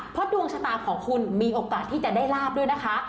เพราะดวงชะตาของคุณมีโอกาสที่จะได้ลาบด้วยนะคะ